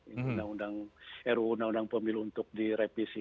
ini ero undang undang pemilu untuk direvisi ini